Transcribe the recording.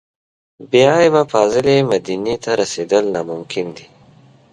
بې عیبه فاضلې مدینې ته رسېدل ناممکن دي.